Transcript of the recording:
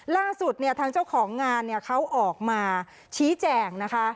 ล่าสุดเนี่ยทางเจ้าของงานเนี่ยเขาออกมาชี้แจงนะคะ